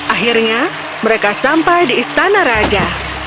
akhirnya mereka sampai di istana raja